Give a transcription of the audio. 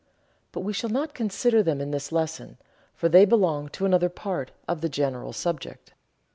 but we shall not consider them in this lesson, for they belong to another part of the general subject.